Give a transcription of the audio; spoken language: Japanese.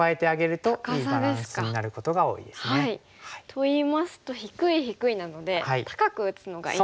といいますと低い低いなので高く打つのがいいんですね。